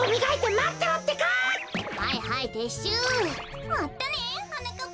まったねはなかっぱん！